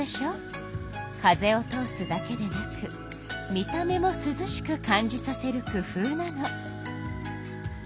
風を通すだけでなく見た目もすずしく感じさせる工夫なの。